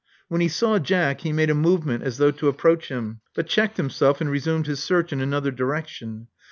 When he saw Jack he made a movement as though to approach him, but checked himself and resumed his search in another direction.